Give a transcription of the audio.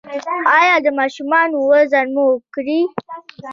ایا د ماشومانو وزن مو کړی؟